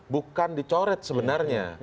bukan dicoret sebenarnya